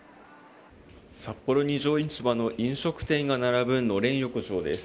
札幌の飲食店が並ぶのれん横丁です。